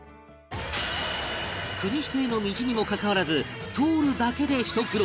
国指定の道にもかかわらず通るだけでひと苦労！